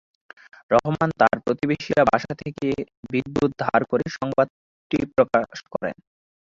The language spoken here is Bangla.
রহমান তার প্রতিবেশীর বাসা থেকে বিদ্যুৎ ধার করে সংবাদটি প্রকাশ করেন।